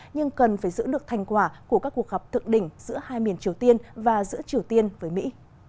nhưng cần phải giữ được thành quả của các cuộc gặp thượng đỉnh giữa hai miền triều tiên và giữa triều tiên với mỹ